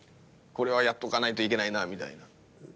これはやっとかないといけないなみたいな。